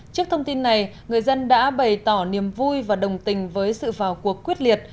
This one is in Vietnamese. trước thông tin này người dân đã bày tỏ niềm vui và đồng tình với sự vào cuộc quyết liệt